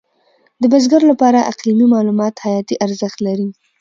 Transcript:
د بزګر لپاره اقلیمي معلومات حیاتي ارزښت لري.